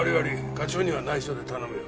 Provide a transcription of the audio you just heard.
課長には内緒で頼むよ。